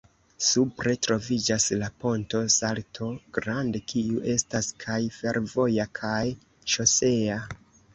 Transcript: Supre troviĝas la Ponto Salto Grande, kiu estas kaj fervoja kaj ŝosea.